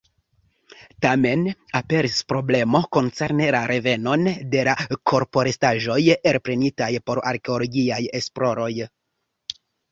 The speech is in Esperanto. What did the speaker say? Tamen aperis problemo koncerne la revenon de la korporestaĵoj elprenitaj por arkeologiaj esploroj.